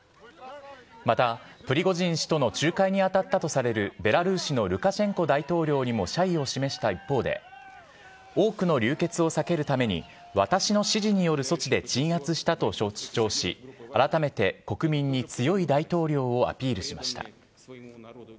また、プリゴジン氏との仲介に当たったとされるベラルーシのルカシェンコ大統領にも謝意を示した一方で、多くの流血を避けるために、私の指示による措置で鎮圧したと主張し、改めて国民に強い大統領をアピールしました。